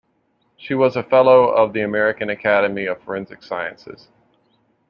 She was a fellow of the American Academy of Forensic Sciences.